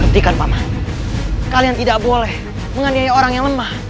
hentikan pak man kalian tidak boleh mengandalkan orang yang lemah